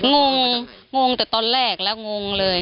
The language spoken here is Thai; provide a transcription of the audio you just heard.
งงงงแต่ตอนแรกแล้วงงเลย